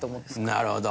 なるほど。